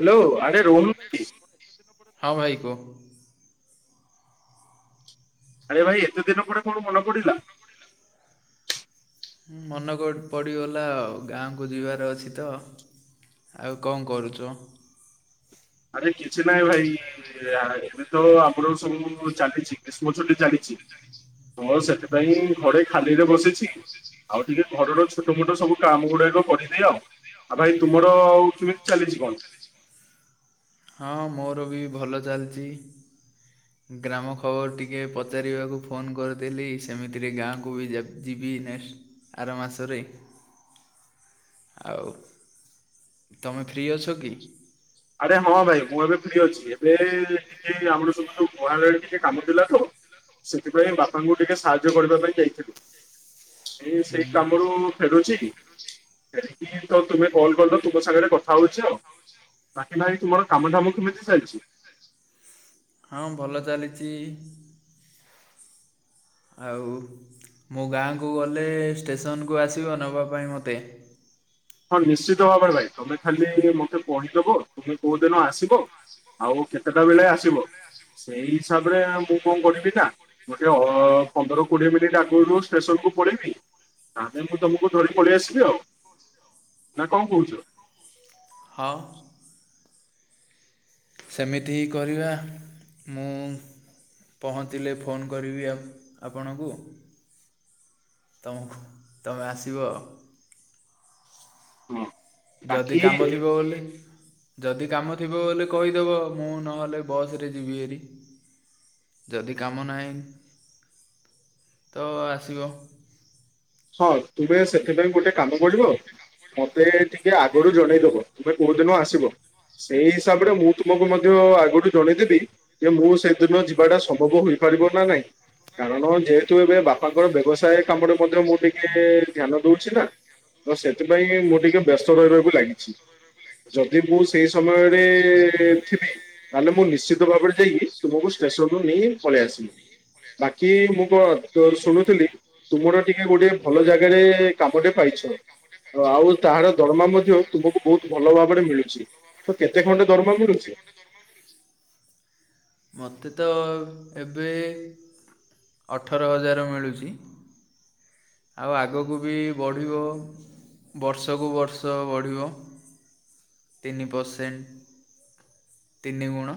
Hello ଆରେ ରୋହନ ଭାଇ ହଁ ଭାଇ କୁହ ଆରେ ଭାଇ ଏତେ ଦିନ ପରେ କଣ ମନେ ପଡିଲା? ମନେ କ ପଡ଼ିଗଲା ଆଉ ଗାଁକୁ ଯିବାର ଅଛି ତ। ଆଉ କଣ କରୁଚ? ଆରେ କିଛି ନାହିଁ ଭାଇ [unintelligible] ତ ଆମର ସବୁ ଚାଲିଛି ଗ୍ରୀଷ୍ମ ଛୁଟି ଚାଲିଛି ତ ସେଥିପାଇଁ ଘରେ ଖାଲିରେ ବସିଛି ଆଉ ଟିକେ ଘରର ଛୋଟମୋଟ ସବୁ କାମ ଗୁଡ଼ାକ କରିଦିଏ ଆଉ। ଆଉ ଭାଇ ତୁମର ଆଉ କେମିତି ଚାଲିଛି କଣ? ହଁ ମୋର ବି ଭଲ ଚାଲଚି। ଗ୍ରାମ ଖବର ଟିକେ ପଚାରିବାକୁ ଫୋନ କରିିଥିଲି ସେମିତିରେ ଗାଁକୁ ବି ଯା ଯିବି କି ନେକ୍ସଟ୍ ଆର ମାସରେ। ଆଉ ତମେ ଫ୍ରି ଅଛ କି? ଆରେ ହଁ ଭାଇ ମୁଁ ଏବେ ଫ୍ରି ଅଛି। ଫେରେ ଟିକେ ଆମର ସବୁ ସୁ ଗୁହାଳରେ ଟିକେ କାମ ଥିଲା ତ। ସେଥିପାଇଁ ବାପାଙ୍କୁ ଟିକେ ସାହାଯ୍ୟ କରିବା ପାଇଁ ଯାଇଥିଲୁ। ଏଇ ସେଇ ହୁଁ କାମରୁ ଫେରୁଛି କି ସେତକି ତ ତୁମେ କଲ ତୁମ ସାଙ୍ଗରେ କଥା ହଉଛି ଆଉ, ପାଟି ନାହିଁ ତୁମର କାମ ଦାମ କେମିତି ଚାଲିଛି? ଚାଲିଚି ଆଉ ମୁଁ ଗାଁକୁ ଗଲେ ଷ୍ଟେସନକୁ ଆସିବ ନବା ପାଇଁ ମୋତେ। [inaudible] ହଁ ନିଶ୍ଚିତ ଭାବରେ ଭାଇ ତମେ ଖାଲି ମତେ କହିଦବ ତୁମେ କୋଉ ଦିନ ଆସିବ। ଆଉ କେତେଟା ବେଳେ ଆସିବ। ସେଇ ହିସାବରେ ମୁଁ କଣ କରିବି ନା ଗୋଟେ ଅ ପନ୍ଦର କୋଡିଏ ମିନିଟ୍ ଆଗୁରୁ ଷ୍ଟେସନ କୁ ପଳେଇବି ତାହେଲେ ତମୁକୁ ଧରି ପଳେଇ ଆସିବି ଆଉ। ନା କଣ କହୁଛ? ହଁ। ସେମିତି ହିଁ କରିବା ମୁଁ ପହଞ୍ଚିଲେ ଫୋନ୍ କରିବି ଆପ ଆପଣଙ୍କୁ। ତମୁକୁ ତମେ ଆସିବ। ହଁ। ଯଦି କାମ ବାକି ଥିବ ବୋଲି ଯଦି କାମ ଥିବ ବୋଲି କହିଦେବ, ମୁଁ ନହେଲେ ବସରେ ଯିବି ହେରି। ଯଦି କାମ ନାହିଁ, ତ ଆସିବ। ହଁ ତୁମେ ସେଥିପାଇଁ ଗୋଟେ କାମ କରିବ ମତେ ଟିକେ ଆଗୁରୁ ଜଣେଇଦବ ତୁମେ କୋଉ ଦିନ ଆସିବ। ସେଇ ହିସାବରେ ମୁଁ ତୁମକୁ ମଧ୍ୟ ଆଗୁରୁ ଜଣେଇଦେବି, ଯେ ମୁଁ ସେଦିନ ଯିବାଟା ସମ୍ଭବ ହୁଏନି। ପାରିବ ନା ନାଇଁ କାରଣ ଯେହେତୁ ଏବେ ବାପାଙ୍କର ବ୍ୟବସାୟେ କାମରେ ମଧ୍ୟ ଟିକେ ଧ୍ୟାନ ଦଉଛି ନା, ତ ସେଥିପାଇଁ ମୁଁ ଟିକେ ବ୍ୟସ୍ତ ରହି ରହିବାକୁ ଲାଗିଛି। ଯଦି ମୁଁ ସେଇ ସମୟରେ ଥିବି, ତାହେଲେ ମୁଁ ନିଶ୍ଚିତ ଭାବରେ ଯାଇକି ତୁମକୁ ଷ ଷ୍ଟେସନ ରୁ ନେଇ ପଳେଇ ଆସିବି। ବାକି ମୁଁ କଣ ତ ଶୁଣୁଥିଲି ତୁମର ଟିକେ ଗୋଟିଏ ଭଲ ଜାଗାରେ କାମଟେ ପାଇଛ। ଆଉ ତାହାର ଦରମା ମଧ୍ୟ ତୁମକୁ ବହୁତ ଭଲ ଭାବରେ ମିଳୁଛି ତ କେତେ ଖଣ୍ଡେ ଦରମା ମିଳୁଛି? ମତେ ତ ଏବେ ଅଠର ହଜାର ମିଳୁଚି। ଆଉ ଆଗକୁ ବି ବଢ଼ିବ ବର୍ଷକୁ ବର୍ଷ ବଢ଼ିବ। ତିନି ପରସେଣ୍ଟ ତିନି ଗୁଣ।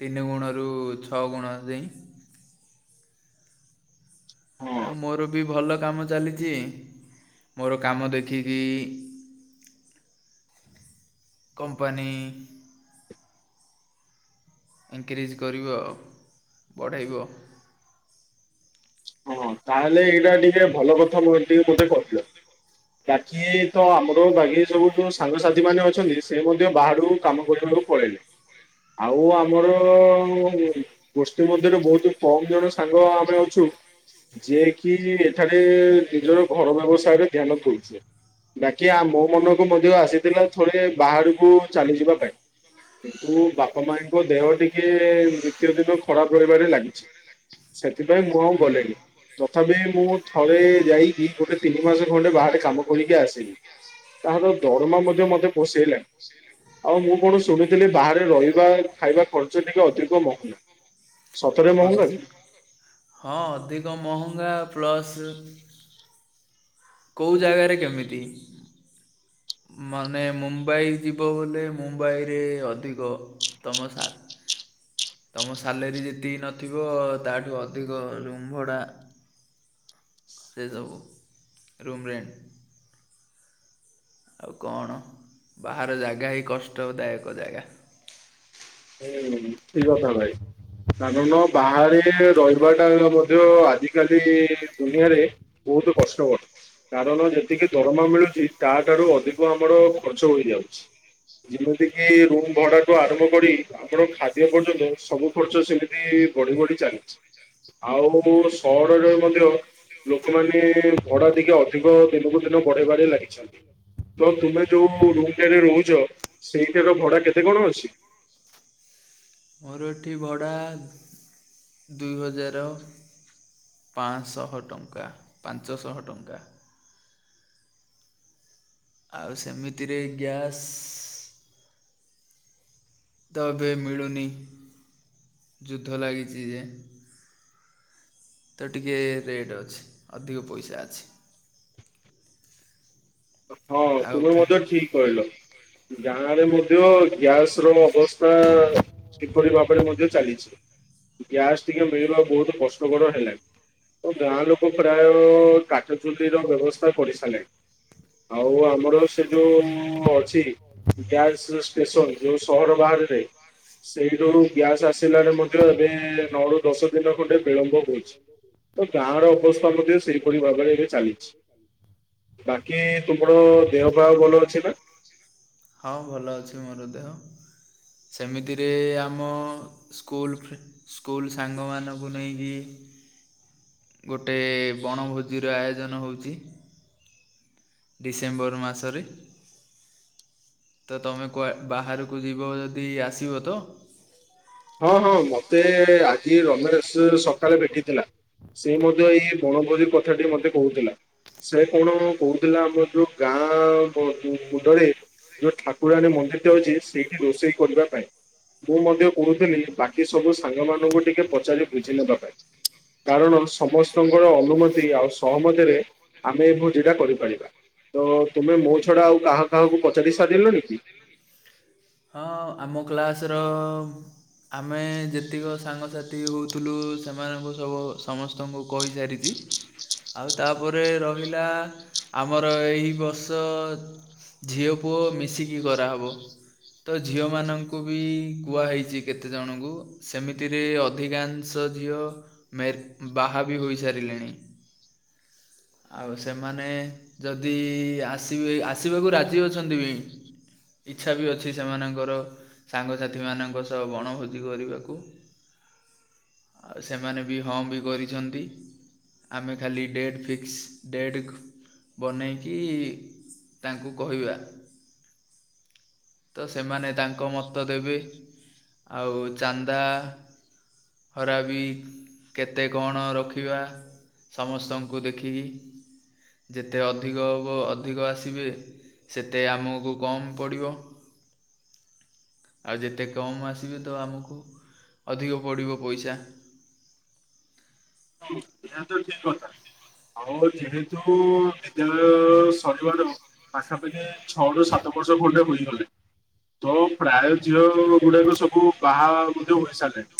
ତିନି ଗୁଣରୁ ଛଅ ଗୁଣ ଦେଇ। ହଁ ଆଉ ମୋର ବି ଭଲ କାମ ଚାଲିଛି ମୋର କାମ ଦେଖିକି କମ୍ପାନୀ ଇନକ୍ରିଜ କରିବ ଆ ବଢ଼େଇବ। ହଁ ତାହେଲେ ଏଇଟା ଟିକେ ଭଲ କଥା ଟିକେ ମତେ କହିଲ। ବାକି ତ ଆମର ବାକି ସବୁ ଯୋଉ ସାଙ୍ଗସାଥି ମାନେ ଅଛନ୍ତି ସେ ମଧ୍ୟ ବାହାରକୁ କାମ କରିବାକୁ କୁ ପଲେଇଲେ। ଆଉ ଆମର ଗୋଷ୍ଠୀ ମଧ୍ୟରେ ବହୁତ କମ ଜଣ ସାଙ୍ଗ ଆମେ ଅଛୁ ଯିଏ କିି ଏଠାରେ ନିଜର ଘର ବ୍ୟବସାୟର ଧ୍ୟାନ ଦଉଛୁ। ବାକି ଆମ ମନକୁ ମଧ୍ୟ ଆସିଥିଲା ଥରେ ବାହାରକୁ ଚାଲିଯିବା ପାଇଁ। କିନ୍ତୁ ବାପା ମାଙ୍କ ଦେହ ଟିକେ ନିତ୍ୟ ଦିନ ଖରାପ ରହିବାରେ ଲାଗିଛି। ସେଥିପାଇଁ ମୁଁ ଆଉ ଗଲିଣିି। ତଥାପି ମୁଁ ଥରେ ଯାଇକି ଗୋଟେ ତିି ମାସ ଖଣ୍ଡେ ବାହରେ କାମ କରିକି ଆସିଲି। ତାହାର ଦରମା ମଧ୍ୟ ମତେ ପୋଷେଇଲାନି। ଆଉ ମୁଁ କଣ ଶୁଣିଥିଲି ବାହାରେ ରହିବା ଖାଇବା ଖର୍ଚ୍ଚ ଟିକେ ଅଧିକ ମହଙ୍ଗା। ସତରେ ଅଧ ମହଙ୍ଗା ନୁହଁ? ହଁ ଅଧିକ ମହଙ୍ଗା ପ୍ଲସ୍ କୋଉ ଜାଗାରେ କେମିତି? ମାନେ ମୁମ୍ବାଇ ଯିବ ବୋଲେ ମୁମ୍ବାଇରେ ଅଧିକ ତମ ସା ତମ ସାଲେରୀ ଯେତିକି ନଥିବ ତାଠୁ ଅଧିକ ରୁମ୍ ଭଡ଼ା। ସେ ସବୁ ରୁମରେଣ୍ଟ। ଆଉ କଣ ବାହାର ଜାଗା ହିଁ କଷ୍ଟଦାୟକ ଜାଗା। ହୁଁ ଠିକ୍ କଥା ଭାଇ। କାରଣ ବାହାରେ ରହିବାଟା ମଧ୍ୟ ଆଜିକାଲି ଦୁନିଆରେ ବୋ ବହୁତ କଷ୍ଟକ କାରଣ ଯେତିକି ଦରମା ମିଳୁଛି ତା ଠାରୁ ଅଧିକ ଆମର ଖର୍ଚ୍ଚ ହୋଇଯାଉଛି। ଯେମିତି କିି ରୁମ ଭଡାଠୁ ଆରମ୍ଭ କରି। ଆପଣ ଖାଦ୍ୟ ପର୍ଯ୍ୟନ୍ତ ସବୁ ଖର୍ଚ୍ଚ ସେମିତି ବଢି ବଢି ଚାଲିଛି। ଆଉ ସହରରେ ମଧ୍ୟ ଲୋକମାନେ ଭଡା ଟିକେ ଅଧିକ ଦିନକୁ ଦିନ ବଢେଇବାରେ ଲାଗିଛନ୍ତି। ତ ତୁମେ ଯୋଉ ରୁମ ଟାରେ ରହୁଛ, ସେଇଠାର ଭଡା କେତେ କଣ ଅଛି? ସେଇଠି ଭଡ଼ା ଦୁଇ ହଜାର। ପାଁଶହ ଟଙ୍କା ପାଞ୍ଚଶହ ଟଙ୍କା। ଆଉ ସେମିତିରେ ଗ୍ୟାସ୍ ତ ଏବେ ମିଳୁନି ଯୁଦ୍ଧ ଲାଗିଛି ଯେ। ତ ଟିକେ ରେଟ୍ ଅଛି ଅଧିକ ପଇସା ଅଛି। ହଁ ଆଉ ତୁମେ ଫେ ମଧ୍ୟ ଠିକ କହିଲ। ଗାଁରେ ମଧ୍ୟ ଗ୍ୟାସ ର ଅବସ୍ଥା ସେପରି ଭାବରେ ମଧ୍ୟ ଚାଲିଛି ଗ୍ୟାସ୍ ଟିକେ ମିଳିବା ବହୁତ କଷ୍ଟକର ହେଲାଣି। ତ ଗାଁ ଲୋକ ପ୍ରାୟ କାଠ ଚୁଲିର ବ୍ୟବସ୍ଥା କରିସାରିଲେଣି। ଆଉ ଆମର ସେ ଯୋଉ ଅଛି। ଗ୍ୟାସ ଷ୍ଟେସନ ଯୋଉ ସହର ବାହାରେ ସେଇଠୁ ଗ୍ୟାସ ଆସିଲାରେ ମଧ୍ୟ ଏବେ ନଅରୁ ଦଶ ଦିନ ଖଣ୍ଡେ ବିଳମ୍ବ ହୋଇଛି। ତ ଗାଁ ର ଅବସ୍ଥା ମଧ୍ୟ ସେପରି ଭାବରେ ଏବେ ଚାଲିଛି ବା କି ତୁମର ଦେହପାଆ ଭଲ ଅଛି ନା। ହଁ ଭଲ ଅଛି ମୋର ଦେହ। ସେମିତିରେ ଆମ ସ୍କୁଲ ସ୍କୁଲ ସାଙ୍ଗମାନଙ୍କୁ ନେଇକି ଗୋଟେ ବଣଭୋଜିର ଆୟୋଜନ ହଉଛି। ଡିସେମ୍ବର ମାସରେ। ତ ତମେ କୁଆ ବାହାରକୁ ଯିବ ଯଦି ଆସିବ ତ? ହଁ ହଁ ମତେ ଆଜି ରମେଶ୍ ସକାଳେ ଭେଟିଥିଲା। ସେ ମଧ୍ୟ ଏଇ ବଣଭୋଜି କଥାଟି ମତେ କହୁଥିଲା। ସେ କଣ କହୁଥିଲା ଆମର ଯୋଉ ଗାଁ ମୁଣ୍ଡରେ ଯୋଉ ଠାକୁରାଣୀ ମନ୍ଦିର୍ ଟେ ଅଛି ସେଇଠି ରୋଷେଇ କରିବା ପାଇଁ ମୁଁ ମଧ୍ୟ କୁହୁଥିଲି ବାକି ସବୁ ସାଙ୍ଗମାନଙ୍କୁ ଟିକେ ପଚାରି ବୁଝି ନେବା ପାଇଁ। କାରଣ ସମସ୍ତଙ୍କର ଅନୁମତି ଆଉ ସହମତିରେ ଆମେ ଏ ଭୋଜି ଟା କରିପାରିବା ତ ତୁମେ ମୋ ଛଡା ଆଉ କାହା କାହାକୁ ପଚାରି ସାରିଲଣି କି? ହଁ ଆମ କ୍ଲାସ୍ ର ଆମେ ଯେତିକ ସାଙ୍ଗସାଥି ହଉଥିଲୁ ସେମାନଙ୍କୁ ସବୁ ସମସ୍ତଙ୍କୁ କହିସାରିଛି। ଆଉ ତାପରେ ରହିଲା ଆମର ଏଇ ବର୍ଷ ଝିଅ ପୁଅ ମିଶିକି କରାହେବ ତ ଝିଅ ମାନଙ୍କୁ ବି କୁହା ହେଇଛି କେତେ ଜଣଙ୍କୁ ସେମିତିରେ ଅଧିକାଂଶ ଝିଅ ମେ ବାହା ବି ହୋଇସାରିଲେଣି। ଆଉ ସେମାନେ ଯଦି ଆସିବେ ଆସିବାକୁ ରାଜି ଅଛନ୍ତି ବି। ଇଚ୍ଛା ବି ଅଛି ସେମାନ ଙ୍କର ସାଙ୍ଗ ସାଥୀ ମାନ ଙ୍କ ସହ ବଣ ଭୋଜି କରିବାକୁ। ସେମାନେ ବି ହଁ ବି କରିଚନ୍ତି। ଆମେ ଖାଲି ଡେଟ୍ ଫିକ୍ସ୍ ଡେଟ୍ ବନେଇକି ତାଙ୍କୁ କହିବା। ସେମାନେ ତାଙ୍କ ମତ ଦେବେ ଆଉ ଚାନ୍ଦା [unintelligible] ବି କେତେ କଣ ରଖିବା। ସମସ୍ତଙ୍କୁ ଦେଖିକି। ଯେତେ ଅଧିକ ହେବ ଅଧିକ ଆସିବେ ସେତେ ଆମକୁ କମ୍ ପଡ଼ିବ। [inaudible] ଆଉ ଯେତେ କମ୍ ଆସିବେ ତ ଆମକୁ ଅଧିକ ପଡ଼ିବ ପଇସା। [inaudible] ଏହା ତ ଠିକ୍ କଥା। ଆଉ ଯେହେତୁ ବିଦ୍ୟାଳୟ ସରିବାର ପାଖାପାଖି ଛଅ ରୁ ସାତ ବର୍ଷ ଖଣ୍ଡେ ହୋଇଗଲାଣି ତ ପ୍ରାୟ ଝିଅ ଗୁଡ଼ାକ ସବୁ ବାହା ମଧ୍ୟ ହୋଇସାରିଲେଣି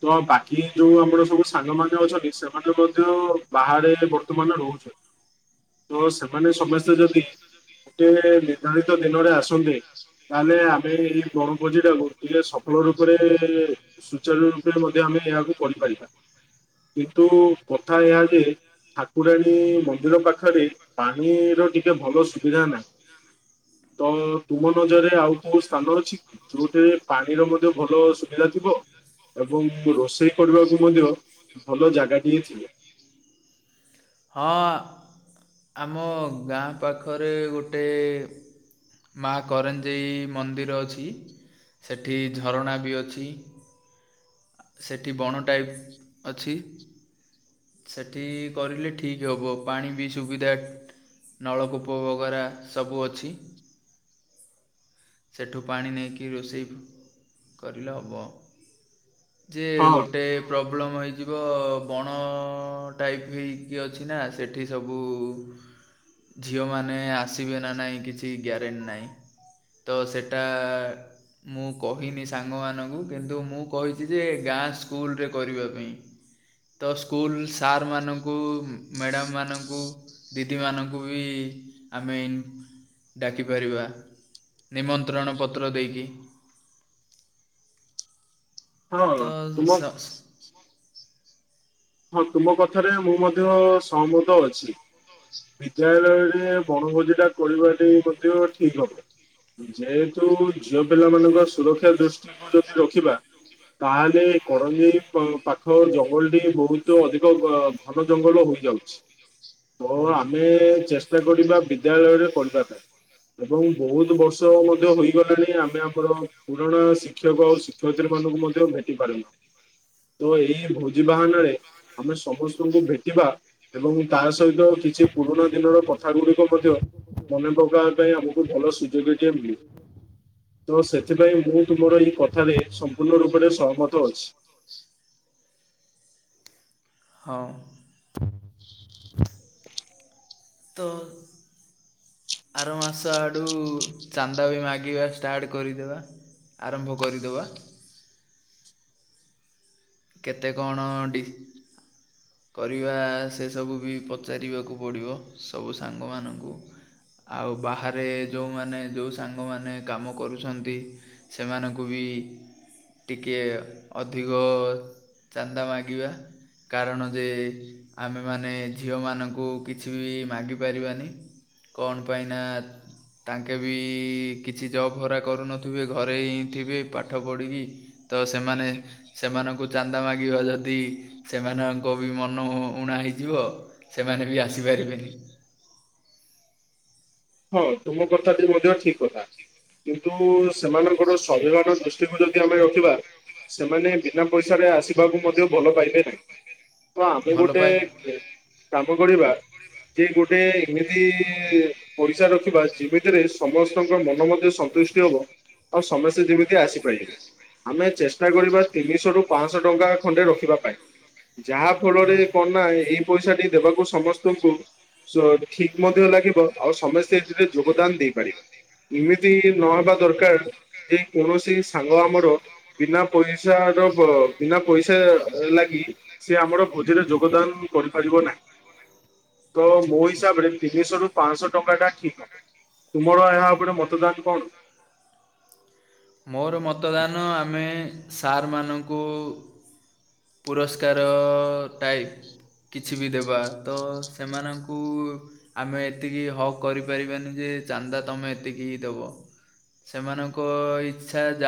ତ ବାକି ଯୋଉ ଆମର ସବୁ ସାଙ୍ଗ ମା ଅଛନ୍ତି ସେମାନେ ମଧ୍ୟ ବାହାରେ ବର୍ତ୍ତମାନ ରହୁ ତ ସେମାନେ ସମସ୍ତେ ଯଦି ଗୋଟେ ନିର୍ଦ୍ଧାରିତ ଦିନରେ ଆସନ୍ତେ। ତାହେଲେ ଆମେ ଏଇ ବଣଭୋଜି ଟାକୁ ଟିକେ ସଫଳ ରୂପରେ ସୁଚାରୁ ରୂପରେ ମଧ୍ୟ ଆ ଆମେ ଏହାକୁ କରିପାରିବା। କିନ୍ତୁ କଥା ଏହା ଯେ ଠାକୁରାଣୀ ମନ୍ଦିର ପାଖରେ ପାଣିର ଟିକେ ଭଲ ସୁବିଧା ନାହିଁ। [unintelligible] ତ ତୁମ ନଜରରେ ଆଉ କୋଉ ସ୍ଥାନ ଅଛି କି ଯୋଉଠାରେ ପାଣିର ମଧ୍ୟ ଭଲ ସୁବିଧା ଥିବ। ଏବଂ ରୋଷେଇ କରିବାକୁ ମଧ୍ୟ ଭଲ ଜାଗାଟିଏ ଥି ହଁ ଆମ ଗାଁ ପାଖରେ ଗୋଟେ ମା କରଞ୍ଜେଇ ମନ୍ଦିର ଅଛି। ସେଠି ଝରଣା ବି ଅଛି। ସେଠି ବଣ ଟାଇପ୍ ଅଛି। ସେଠି କରିଲେ ଠିକ୍ ହେବ ପାଣି ବି ସୁବିଧା। ନଳକୂପ ବଗରା ସବୁ ଅଛି। ସେଠୁ ପାଣି ନେଇକି ରୋଷେଇ କରିଲେ ହବ। ଯେ ହଁ ଗୋଟେ ପ୍ରବ ପ୍ରୋବ୍ଲେମ୍ ହେଇଯିବ, ବଣ ଟାଇପ୍ ହେଇକି ଅଛି ନା ସେଠି ସବୁ ଝିଅମାନେ ଆସିବେ ନା ନାହିଁ କିଛି ଗ୍ୟାରେଣ୍ଟ ନାହିଁ। ତ ସେଟା ମୁଁ କହିନି ସାଙ୍ଗମାନଙ୍କୁ କିନ୍ତୁ ମୁଁ କହିଛି ଯେ ଗାଁ ସ୍କୁଲରେ କରିବା ପାଇଁ। ତ ସ୍କୁଲ ସାର୍ ମାନଙ୍କୁ ମ୍ୟାଡ଼ାମମାନଙ୍କୁ ଦିଦିମାନଙ୍କୁ ବି ଆମେ ଇନ୍ ଡ଼ାକିପାରିବା। ନିମନ୍ତ୍ରଣ ପତ୍ର ଦେଇକି। ହଁ ତ ତୁମ ହଁ ତୁମ କଥାରେ ମୁଁ ମଧ୍ୟ ସହମତ ଅଛି। ବିଦ୍ୟାଳୟରେ ବଣଭୋଜି ଟା କରିବା ଟି ମଧ୍ୟ ଠିକ ହବ। ଯେହେତୁ ଝିଅପିଲାମାନଙ୍କ ସୁରକ୍ଷା ଦୃଷ୍ଟିକୁ ଯଦି ରଖିବା ତାହେଲେ କରଡେଇ ପ-ପାଖ ଜଙ୍ଗଲ ଟି ବହୁତ ତ ଅଧିକ ବା ଘନ ଜଙ୍ଗଲ ହୋଇଯାଉଛି। ତ ଆମେ ଚେଷ୍ଟା କରିବା ବିଦ୍ୟାଳୟରେ କରିବା ପାଇଁ ଏବଂ ବହୁତ ବର୍ଷ ମଧ୍ୟ ହୋଇଗଲାଣି ଆମେ ଆମର ପୁରୁଣା ଶିକ୍ଷକ ଆଉ ଶିକ୍ଷୟତ୍ରୀ ମାନଙ୍କୁ ମଧ୍ୟ ଭେଟି ପାରୁନୁ। [inaudible] ତ ଏଇ ଭୋଜି ବାହାନାରେ ଆମେ ସମସ୍ତଙ୍କୁ ଭେଟିବା ଏବଂ ତାସ ସହିତ କିଛି ପୁରୁଣା ଦିନର କଥା ଗୁଡିକ ମଧ୍ୟ ମନେ ପକାଇବାପାଇଁ ଆମକୁ ଭଲ ସୁଯୋଗ ଟିଏ ମିଳିବ। ତ ସେଥିପାଇଁ ମୁଁ ତୁମର ଏଇ କଥାରେ ସମ୍ପୂର୍ଣ୍ଣ ରୂପରେ ସହମତ ଅଛି। ହଉ। ତ ଆର ମାସ ଆଡ଼ୁ ଚାନ୍ଦା ବି ମାଗିବା ଷ୍ଟାର୍ଟ କରିଦେବା। ଆରମ୍ଭ କରିଦେବା। କେତେ କଣ ଡି କରିବା ସେସବୁ ବି ପଚାରିବାକୁ ପଡ଼ିବ, ସବୁ ସାଙ୍ଗମାନଙ୍କୁ। ଆଉ ବାହାରେ ଯେଉଁମାନେ ଯେଉଁ ସାଙ୍ଗମାନେ କାମ କରୁଛନ୍ତି ସେମାନଙ୍କୁ ବି ବି ଟିକିଏ ଅଧିକ ଚାନ୍ଦା ମାଗିବା। କାରଣ ଯେ ଆମେମାନେ ଝିଅମାନଙ୍କୁ କିଛି ବି ମାଗିପାରିବାନି। କଣ ପାଇ ନା ତାଙ୍କେ ବି କିଛି ଜବ୍ ହରା କରୁନଥିବେ, ଘରେ ହିଁ ଥିବେ ପାଠ ପଢ଼ିକି। ତ ସେମାନେ ସେମାନଙ୍କୁ ଚାନ୍ଦା ମାଗିବ ଯଦି ସେମାନଙ୍କ ବି ମନ ଉଣା ହେଇଯିବ ସେମାନେ ବି ଆସି ପା ପାରିବେନି। ହଁ ତୁମ କଥା ଟି ମଧ୍ୟ ଠିକ କଥା। କିନ୍ତୁ ସେମାନଙ୍କର ସ୍ୱାଭିମାନ ଦୃଷ୍ଟିକୁ ଯଦି ଆମେ ରଖିବା। ସେମାନେ ବିନା ପଇସା ରେ ଆସିବାକୁ ମଧ୍ୟ ଭଲ ପାଇବେ ନାହିଁ। ତ ଆମେ ଭଲ ଗୋଟେ ପାଏ କ-କାମ କରିବା। ଯେ ଗୋଟେ ଏମିତି ପଇସା ରଖିବା ଯେମିତିରେ ସମସ୍ତଙ୍କ ମନ ମଧ୍ୟ ସନ୍ତୁଷ୍ଟି ହେବ। ଆଉ ସମସ୍ତେ ଯେମିତି ଆସିପାରିବେ। ଆମେ ଚେଷ୍ଟା କରିବା ତିନିଶହ ରୁ ପାଞ୍ଚଶହ ଟଙ୍କା ଖଣ୍ଡେ ରଖିବା ପାଇଁ। ଯାହା ଫଳରେ କଣନା ଏଇ ପଇସା ଟି ଦେବାକୁ ସମସ୍ତଙ୍କୁ ସ-ଠିକ ମଧ୍ୟ ଲାଗିବ। ଆଉ ସମସ୍ତେ ଏଥିରେ ଯୋଗଦାନ ଦେଇପାରିବେ। ଏମିତି ନହବା ଦରକାର, ଯେ କୌଣସି ସାଙ୍ଗ ଆମର ବିନା ପଇସା ପଇସା ର ବ-ବିନା ପଇସା ଲାଗି ସେ ଆମର ଭୋଜିରେ ଯୋଗଦାନ କରିପାରିବ ନାହିଁ। [inaudible] ତ ମୋ ହିସାବରେ ତିନିଶରୁ ପାଆଁଶ ଟଙ୍କା ଟା ଠିକ ହବ। ତୁମର ଏହା ଉପରେ ମତଦାନ କଣ? ମୋର ମତଦାନ ଆମେ ସାର୍ ମାନଙ୍କୁ ପୁରସ୍କାର ଟାଇପ୍ କିଛି ବି ଦେବା, ତ ସେମାନଙ୍କୁ ଆମେ ଏତିକି ହକ୍ କରିପାରିବାନି ଯେ ଯେ ଚାନ୍ଦା ତମେ ଏତିକି ହି ଦବ। ସେମାନଙ୍କ ଇଛା ଯାହା